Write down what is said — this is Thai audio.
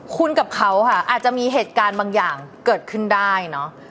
คุณกับเขาอาจมีเหตุการณ์บางอย่างเกิดขึ้นได้